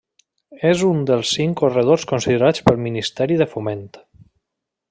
És un dels cinc corredors considerats pel Ministeri de Foment.